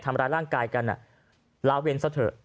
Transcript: ทำร้ายร่างกายกันลาเวนซะเถอะ